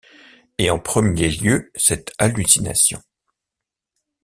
Et en premier lieu cette hallucination.